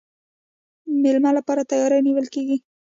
د میلمه لپاره تیاری نیول کیږي.